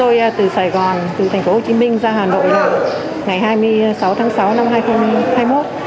tôi từ sài gòn từ tp hcm ra hà nội ngày hai mươi sáu tháng sáu năm hai nghìn hai mươi một